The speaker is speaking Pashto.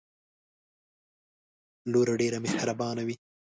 لور ډیره محربانه وی